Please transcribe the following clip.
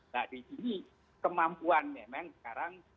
nah di sini kemampuan memang sekarang